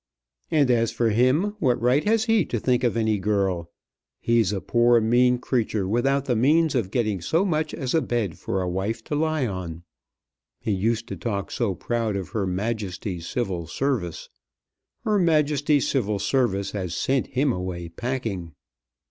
"And as for him, what right has he to think of any girl? He's a poor mean creature, without the means of getting so much as a bed for a wife to lie on. He used to talk so proud of Her Majesty's Civil Service. Her Majesty's Civil Service has sent him away packing."